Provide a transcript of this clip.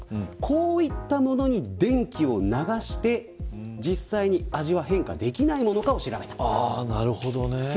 こういったものに電気を流して実際に味は変化できないかを調べました。